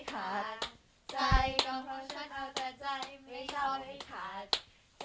โอเคได้อยู่